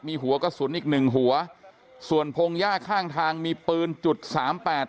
มีหัวกระสุนอีกหนึ่งหัวส่วนพงหญ้าข้างทางมีปืนจุดสามแปด